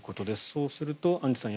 そうするとアンジュさん